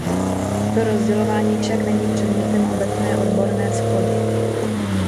Toto rozdělování však není předmětem obecné odborné shody.